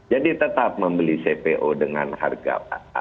jadi tetap membeli cpo dengan harga